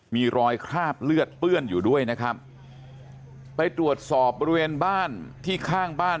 มีรอยคราบเลือดเปื้อนอยู่ด้วยนะครับไปตรวจสอบบริเวณบ้านที่ข้างบ้าน